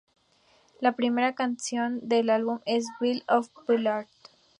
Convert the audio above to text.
La primera canción del álbum es ""Belle of the Boulevard"".